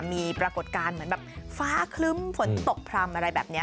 มีปรากฏการณ์เหมือนแบบฟ้าคลึ้มฝนตกพร่ำอะไรแบบนี้